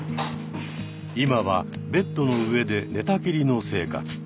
今はベッドの上で寝たきりの生活。